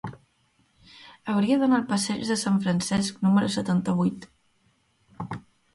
Hauria d'anar al passeig de Sant Francesc número setanta-vuit.